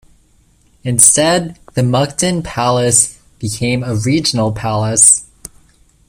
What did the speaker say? Instead, the Mukden Palace became a regional palace.